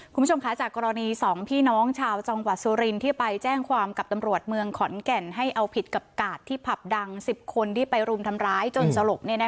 คุณผู้ชมคะจากกรณี๒พี่น้องชาวจังหวัดสุรินที่ไปแจ้งความกับตำรวจเมืองขอนแก่นให้เอาผิดกับกาดที่ผับดัง๑๐คนที่ไปรุมทำร้ายจนสลบ